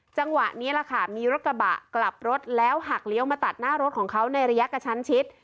จังหวะนี้แหละค่ะมีรถกระบะกลับรถแล้วหักเลี้ยวมาตัดหน้ารถของเขาในระยะกระชั้นชิด